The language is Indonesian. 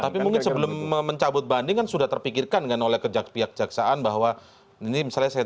tapi mungkin sebelum mencabut banding kan sudah terpikirkan kan oleh pihak jaksaan bahwa ini misalnya saya